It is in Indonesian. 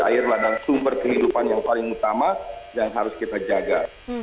air adalah sumber kehidupan yang paling utama yang harus kita jaga